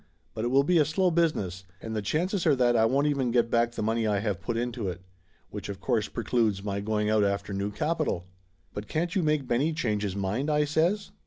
But it will be a slow business, and the chances are that I won't even get back the money I have put into it. Which of course precludes my going out after new capital." "But can't you make Benny change his mind?" I says.